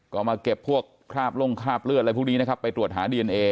ก็มาเก็บพวกคราบลงคราบเลือดอะไรพวกนี้นะครับไปตรวจหาดีเอนเอ